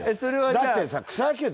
だってさ。